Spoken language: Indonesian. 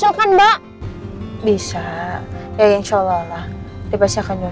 aku monkey cataking di utara table nya